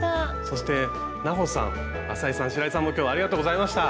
そして南帆さん浅井さん白井さんも今日はありがとうございました。